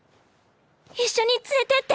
一緒に連れてって！